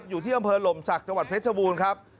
อยู่ที่อำเภอหล่มศักดิ์จังหวัดเพชรบูรณ์ครับ